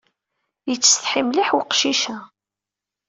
Yettsetḥi mliḥ weqcic-a.